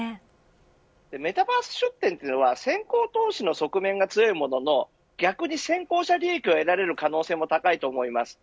メタバース出店というのは先行投資の側面が強いものの逆に先行した利益を得られる可能性も高いと思います。